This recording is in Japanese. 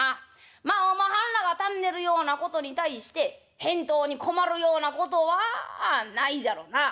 まあおまはんらが尋ねるようなことに対して返答に困るようなことはああないじゃろな」。